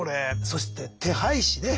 そして手配師ね。